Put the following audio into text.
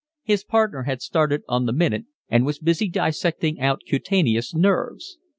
His partner had started on the minute and was busy dissecting out cutaneous nerves.